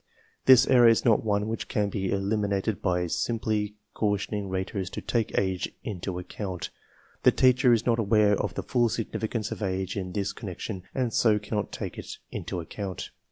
This error is not one which can be eliminated by simply cau tioning raters to take age into account. The teacher is not aware of the full significance of age in this con nection and so cannot take it into account.